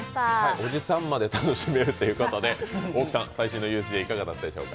おじさんまで楽しめるということで最新のＵＳＪいかがだったでしょうか。